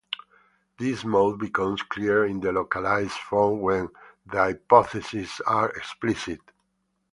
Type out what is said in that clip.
This mode becomes clearer in the localised form when the hypotheses are explicit.